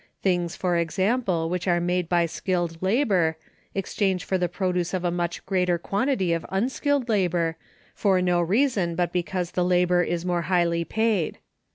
Things, for example, which are made by skilled labor, exchange for the produce of a much greater quantity of unskilled labor, for no reason but because the labor is more highly paid.